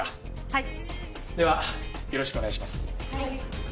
はい。